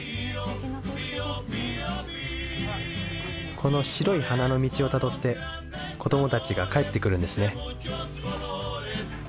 この白い花の道をたどって子供達が帰ってくるんですね